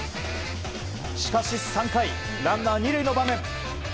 しかし３回、ランナー２塁の場面